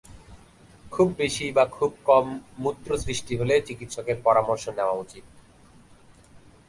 খুব বেশি বা খুব কম মূত্র সৃষ্টি হলে চিকিৎসকের পরামর্শ নেওয়া উচিৎ।